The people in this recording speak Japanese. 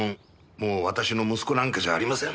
もう私の息子なんかじゃありません。